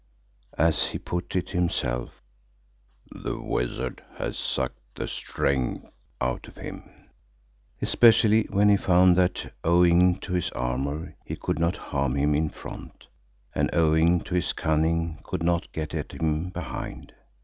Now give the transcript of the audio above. As he put it himself, "the wizard had sucked the strength" out of him, especially when he found that owing to his armour he could not harm him in front, and owing to his cunning could not get at him behind.